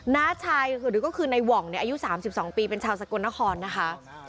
น้าชายหรือก็คือในห่องอายุ๓๒ปีเป็นชาวสกลนครนะคะ